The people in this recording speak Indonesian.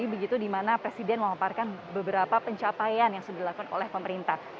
begitu di mana presiden memaparkan beberapa pencapaian yang sudah dilakukan oleh pemerintah